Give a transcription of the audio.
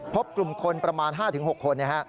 พบกลุ่มคนประมาณ๕๖คน